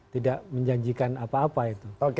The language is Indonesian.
tidak menjanjikan apa apa itu